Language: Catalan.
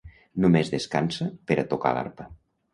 Només descansa per a tocar l'arpa.